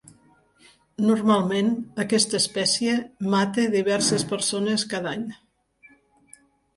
Normalment, aquesta espècie mata diverses persones cada any.